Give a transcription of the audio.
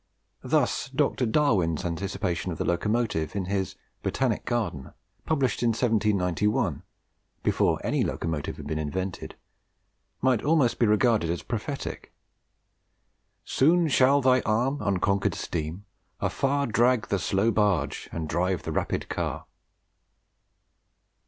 Thus Dr. Darwin's anticipation of the locomotive, in his Botanic Garden, published in 1791, before any locomotive had been invented, might almost be regarded as prophetic: Soon shall thy arm, unconquered Steam! afar Drag the slow barge, and drive the rapid car.